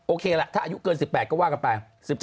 โอเคล่ะถ้าอายุเกิน๑๘ก็ว่ากันไป